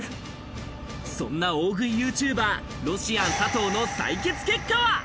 そんな大食いユーチューバー・ロシアン佐藤の採決結果は？